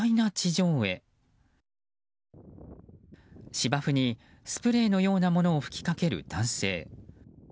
芝生にスプレーのようなものを吹きかける男性。